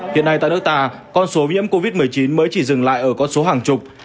hiện nay tại nước ta con số nhiễm covid một mươi chín mới chỉ dừng lại ở con số hàng chục